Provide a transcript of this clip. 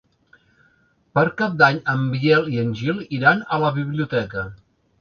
Per Cap d'Any en Biel i en Gil iran a la biblioteca.